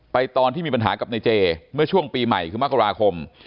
ตอนที่มีปัญหากับในเจเมื่อช่วงปีใหม่คือมกราคม